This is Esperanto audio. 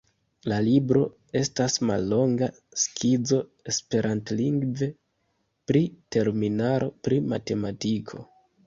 La libro estas mallonga skizo esperantlingve pri terminaro pri matematiko.